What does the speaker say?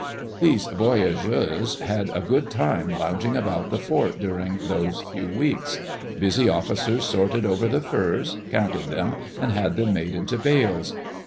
Those voyageurs had a good time lounging about the fort during those few weeks. Busy officers sorted over the furs, counted them, and had them made into bales.